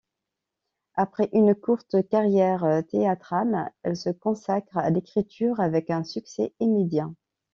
Après une courte carrière théâtrale, elle se consacre à l'écriture avec un succès immédiat.